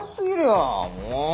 もう！